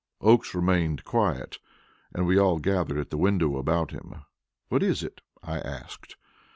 Oakes remained quiet, and we all gathered at the window about him. "What is it?" I asked.